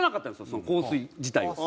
その『香水』自体を。